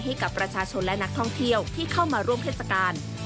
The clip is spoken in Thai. ให้กับประชาชนและนักท่องเที่ยวที่เข้ามาร่วมเทศกาล